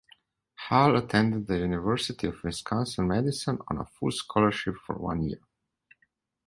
Hall attended the University of Wisconsin-Madison on a full scholarship for one year.